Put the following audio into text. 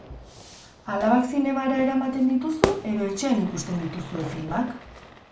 Alabak zinemara eramaten dituzu edo etxean ikusten dituzue filmak?